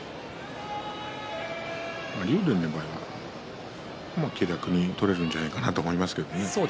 竜電の場合は気楽に取れるんじゃないかと思いますね。